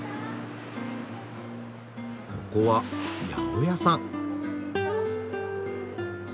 ここは八百屋さん。